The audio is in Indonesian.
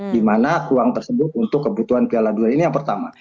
dimana uang tersebut untuk kebutuhan piala dua ini yang pertama